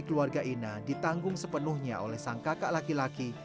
keluarga ina ditanggung sepenuhnya oleh sang kakak laki laki